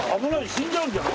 死んじゃうんじゃない？